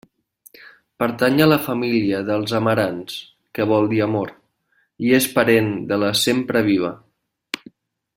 Pertany a la família dels amarants, que vol dir amor, i és parent de la sempreviva.